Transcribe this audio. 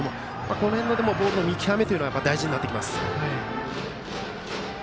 この辺のボールの見極めは大事になってきます。